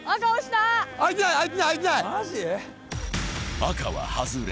赤は外れ。